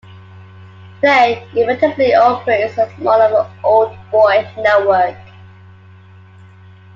Today it effectively operates as more of an old boy network.